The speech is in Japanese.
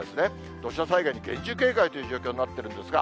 土砂災害に厳重警戒という情報になっているんですが。